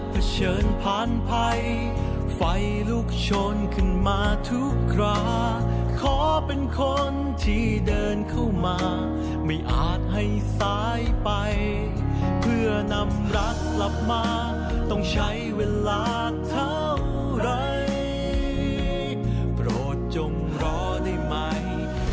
โปรดจงรอได้ไหมจะข้ามให้